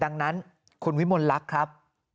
แล้วก็ไม่เกินมือตำรวจหรอกครับ